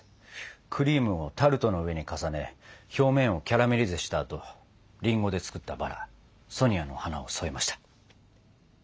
クリームをタルトの上に重ね表面をキャラメリゼしたあとりんごで作ったバラソニアの花を添えました。